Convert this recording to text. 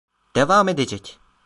Devam edecek...